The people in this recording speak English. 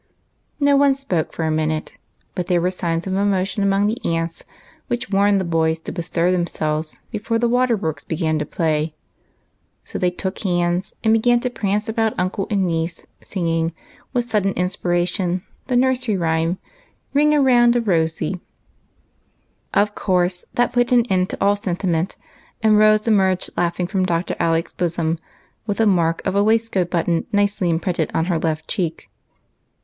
No one spoke for a minute, but there were signs of emotion among the aunts, which warned the boys to bestir themselves before the water works began to play. So they took hands and began to prance about uncle and niece, singing, with sudden inspiration, the nursery rhyme, —" Ring around a Rosy !" WHICH? 291 Of course that put an end to all sentiment, and Rose emerged laughing from Dr. Alec's bosom, with the mark of a waistcoat button nicely imprinted on her left cheek.